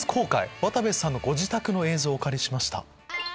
渡部さんのご自宅の映像をお借りしました。